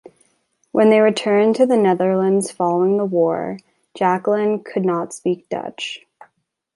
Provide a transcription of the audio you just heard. When they returned to the Netherlands following the war, Jacqueline could not speak Dutch.